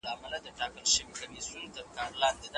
موږ نه سو کولای اقتصاد له ټولنپوهني بېل کړو.